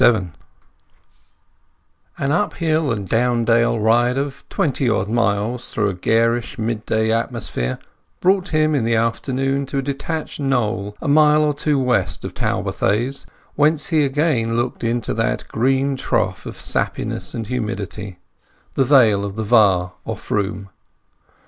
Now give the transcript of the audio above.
XXVII An up hill and down hill ride of twenty odd miles through a garish mid day atmosphere brought him in the afternoon to a detached knoll a mile or two west of Talbothays, whence he again looked into that green trough of sappiness and humidity, the valley of the Var or Froom.